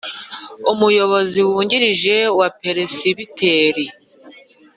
Umuyobozi wungirije wa Peresibiteri